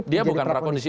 dia bukan prakondisi